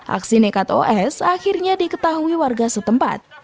aksi nekat os akhirnya diketahui warga setempat